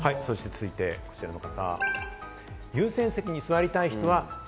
続いてこちらの方。